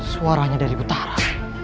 suaranya dari utara